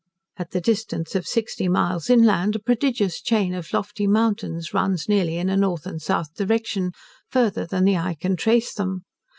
At the distance of 60 miles inland, a prodigious chain of lofty mountains runs nearly in a north and south direction, further than the eye can trace them.